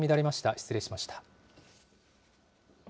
失礼しました。